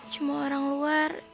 cuma orang luar